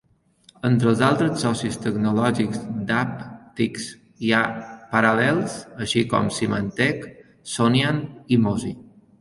Entre els altres socis tecnològics d'Apptix hi ha Parallels, així com Symantec, Sonian i Mozy.